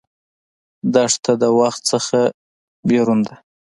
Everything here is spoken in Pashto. دښته د وخت نه بېرون ده.